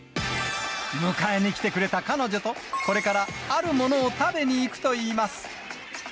迎えに来てくれた彼女と、これからあるものを食べに行くといいます。